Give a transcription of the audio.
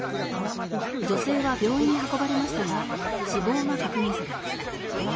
女性は、病院に運ばれましたが死亡が確認されました。